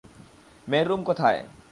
মেয়ের রুম কোথায়?